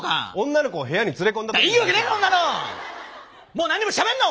もう何にもしゃべんな！